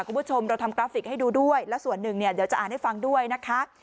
คุณผู้ชมเราทำกราฟิกให้ดูด้วยและส่วนหนึ่งเนี่ยเดี๋ยวจะอ่านให้ฟังด้วยนะคะ